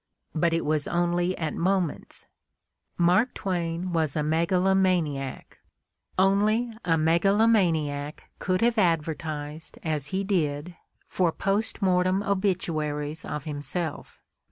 But it was only at moments. Mark Twain was a megalo maniac; only a megalomaniac could have advertised, as i8 The Ordeal of Mark Twain he did, for post mortem obituaries of himself.